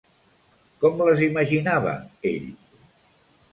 Com les imaginava ell?